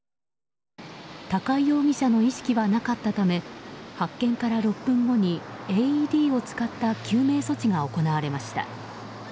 高井容疑者の意識がなかったため発見から６分後にＡＥＤを使った救命措置が行われました。